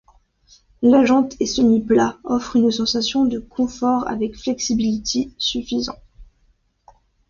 La jante est semi plat, offre une sensation de confort avec flexibiliy suffisant.